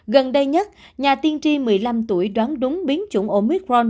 gần đây nhất nhà tiên tri một mươi năm tuổi đoán đúng biến chủng omicron